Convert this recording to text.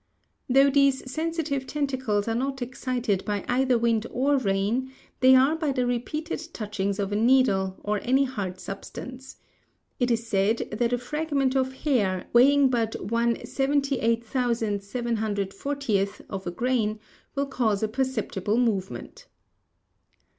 Though these sensitive tentacles are not excited by either wind or rain they are by the repeated touchings of a needle, or any hard substance. It is said that a fragment of hair weighing but 1 78,740 of a grain will cause a perceptible movement.